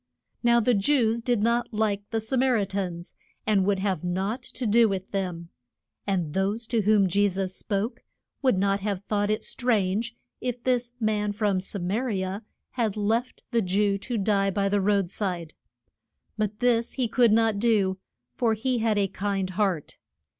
Now the Jews did not like the Sa mar i tans, and would have nought to do with them. And those to whom Je sus spoke would not have thought it strange if this man from Sa ma ri a had left the Jew to die by the road side. But this he could not do, for he had a kind heart.